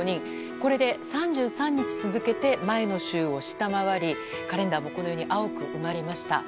これで３３日続けて前の週を下回りカレンダーも青く埋まりました。